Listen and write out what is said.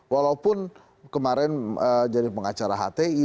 walaupun kemarin jadi pengacara hti